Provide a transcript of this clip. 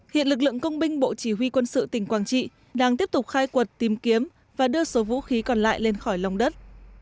hiện lực lượng công binh bộ chỉ huy quân sự tỉnh quảng trị đang tiếp tục khai quật tìm kiếm và đưa số vũ khí còn lại lên khỏi lồng đất